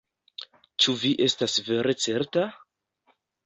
Ĉu vi estas vere certa?